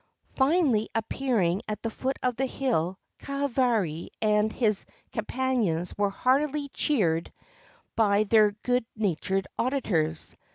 Finally appearing at the foot of the hill, Kahavari and his companions were heartily cheered by their good natured auditors.